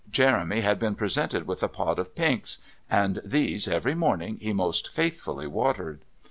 Jeremy had been presented with a pot of pinks, and these, every morning, he most faithfully watered.